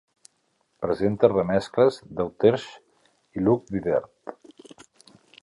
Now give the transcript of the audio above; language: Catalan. Presenta remescles d'Autechre i Luke Vibert.